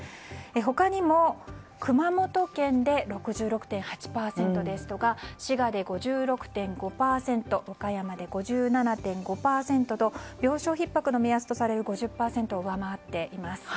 他にも熊本県で６６．８％ですとか滋賀で５６．５％和歌山で５７．５％と病床ひっ迫の目安とされる５０％を上回っています。